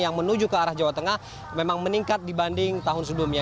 yang menuju ke arah jawa tengah memang meningkat dibanding tahun sebelumnya